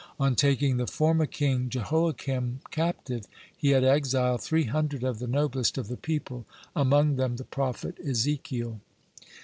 On taking the former king Jehoiakim captive, he had exiled three hundred of the noblest of the people, among them the prophet Ezekiel.